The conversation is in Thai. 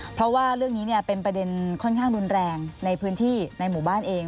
เพราะว่าเรื่องนี้เป็นประเด็นค่อนข้างรุนแรงในพื้นที่ในหมู่บ้านเอง